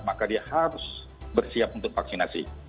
maka dia harus bersiap untuk vaksinasi